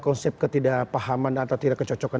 konsep ketidakpahaman atau tidak kecocokan